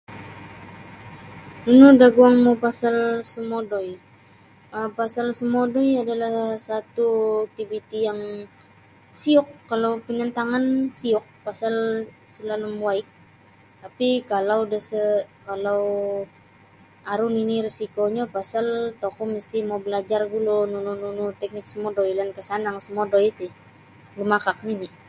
Nunu da guangmu pasal sumodoi um pasal sumodoi adalah satu iktiviti yang siyok kalau pinantangan siyok pasal salalum waig tapi kalau da sa aru nini risikonyo pasal tokou misti mau balajar gulu nunu nunu teknik sumodoi lainkah sanang sumodoi ti lumakak nini.